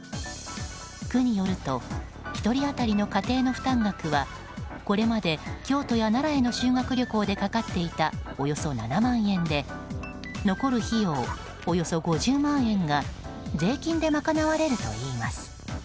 区によると１人当たりの家庭の負担額はこれまで京都や奈良への修学旅行でかかっていたおよそ７万円で残る費用、およそ５０万円が税金で賄われるといいます。